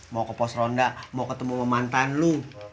mau ke pos ronda mau ketemu sama mantan lu